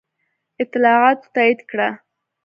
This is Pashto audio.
اطلاعاتو تایید کړه.